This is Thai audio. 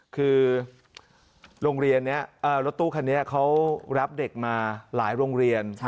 คือโรงเรียนนี้รถตู้คันนี้เขารับเด็กมาหลายโรงเรียน